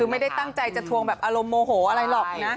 ไม่ได้ตั้งใจจะทวงแบบอารมณ์โมโหอะไรหรอกนะ